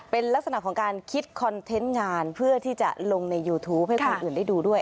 เป็นลักษณะของการคิดคอนเทนต์งานเพื่อที่จะลงในยูทูปให้คนอื่นได้ดูด้วย